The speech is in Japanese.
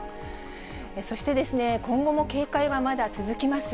そして、今後も警戒はまだ続きます。